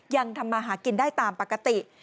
ยังทำมาหากินได้ตามปกติ